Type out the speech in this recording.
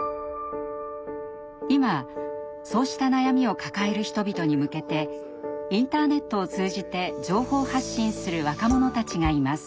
今そうした悩みを抱える人々に向けてインターネットを通じて情報発信する若者たちがいます。